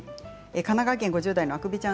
神奈川県５０代の方です。